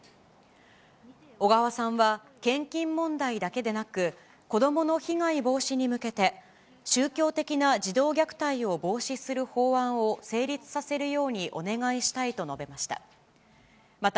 小川さんは、献金問題だけでなく、子どもの被害防止に向けて、宗教的な児童虐待を防止する法案を成立させるようにお願いしたいと述べました。